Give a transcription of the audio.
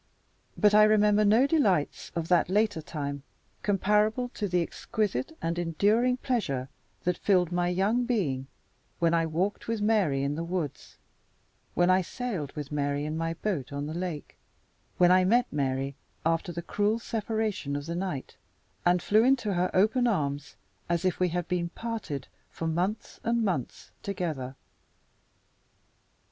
But I remember no delights of that later time comparable to the exquisite and enduring pleasure that filled my young being when I walked with Mary in the woods; when I sailed with Mary in my boat on the lake; when I met Mary, after the cruel separation of the night, and flew into her open arms as if we had been parted for months and months together.